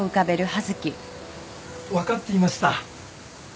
分かっていました。